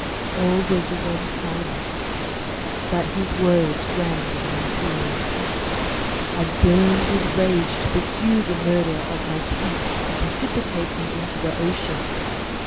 All was again silent, but his words rang in my ears. I burned with rage to pursue the murderer of my peace and precipitate him into the ocean.